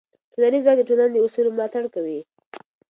ټولنیز ځواک د ټولنې د اصولو ملاتړ کوي.